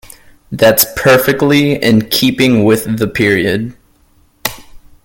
That's perfectly in keeping with the period